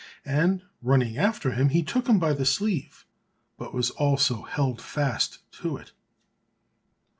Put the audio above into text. and running after him he took him by the sleeve, but was also held fast to it.